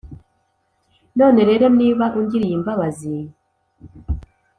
None rero niba ungiriye imbabazi